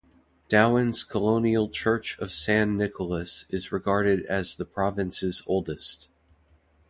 Dauin's colonial Church of San Nicolas is regarded as the Province's oldest.